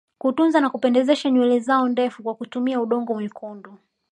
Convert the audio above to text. Kutunza na kupendezesha nywele zao ndefu kwa kutumia udongo mwekundu